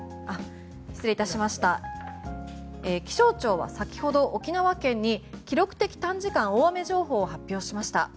気象庁は先ほど、沖縄県に記録的短時間大雨情報を発表しました。